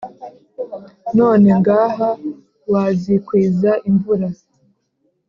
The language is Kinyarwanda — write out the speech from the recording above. none ngaha wazikwiza imvura